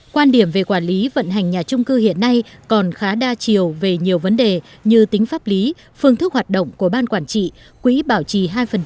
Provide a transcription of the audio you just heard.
quan điểm về quản lý vận hành nhà trung cư hiện nay còn khá đa chiều về nhiều vấn đề như tính pháp lý phương thức hoạt động của ban quản trị quỹ bảo trì hai